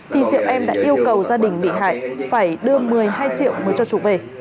thì diệu em đã yêu cầu gia đình bị hại phải đưa một mươi hai triệu mới cho chủ về